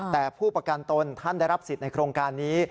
แต่ผู้ประกันตนท่านได้รับสิทธิ์ในโครงการนี้